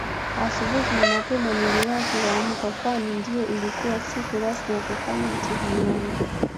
Asubuhi na mapema niliwahi kuamka Kwani ndio ilikuwa siku rasmi ya kufanya mtihani wangu